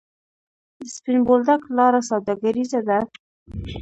د سپین بولدک لاره سوداګریزه ده